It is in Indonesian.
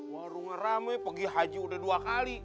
warungnya rame pergi haji udah dua kali